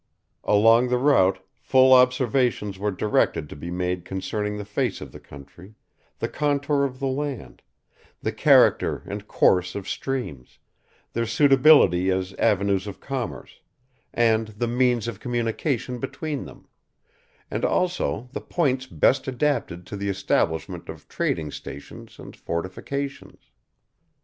Along the route full observations were directed to be made concerning the face of the country, the contour of the land; the character and course of streams, their suitability as avenues of commerce, and the means of communication between them; and also the points best adapted to the establishment of trading stations and fortifications.